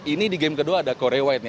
ini di game kedua ada core white